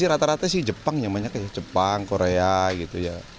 rata rata sih jepang nyamannya kayak jepang korea gitu ya